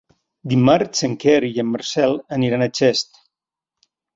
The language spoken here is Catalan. Dimarts en Quer i en Marcel aniran a Xest.